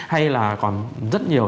hay là còn rất nhiều